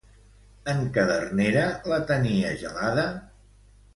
En Cadernera la tenia gelada?